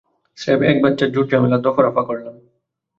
স্রেফ এক বাচ্চার ঝুট-ঝামেলার দফারফা করলাম।